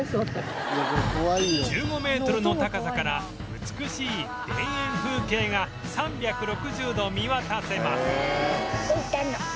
１５メートルの高さから美しい田園風景が３６０度見渡せます